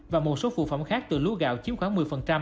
và một số phụ phẩm khác từ lúa gạo chiếm khoảng một mươi